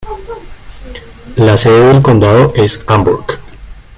La sede del condado es Hamburg.